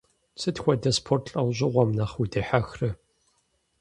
Сыт хуэдэ спорт лӏэужьыгъуэм нэхъ удихьэхрэ?